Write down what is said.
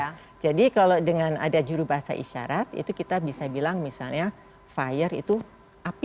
ya jadi kalau dengan ada juru bahasa isyarat itu kita bisa bilang misalnya fire itu api